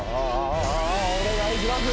お願いします！